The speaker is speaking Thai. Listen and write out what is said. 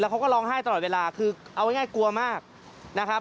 เขาก็ร้องไห้ตลอดเวลาคือเอาง่ายกลัวมากนะครับ